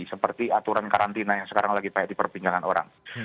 seperti aturan karantina yang sekarang lagi banyak diperbincangkan orang